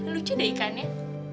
lucu deh ikannya